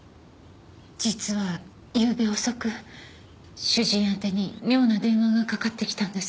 実はゆうべ遅く主人宛てに妙な電話がかかってきたんです。